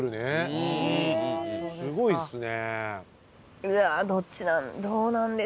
すごいですね。